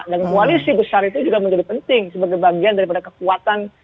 dan kualisi besar itu juga menjadi penting sebagai bagian dari pada kekuatan